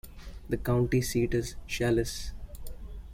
The county seat is Challis.